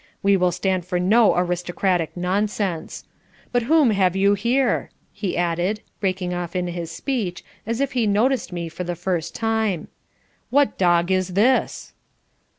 We will stand for no aristocratic nonsense. But whom have you here?" he added, breaking off in his speech, as if he noticed me for the first time. "What dog is this?"